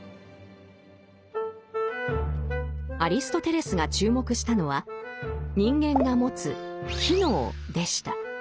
アリストテレスが注目したのは人間が持つ「機能」でした。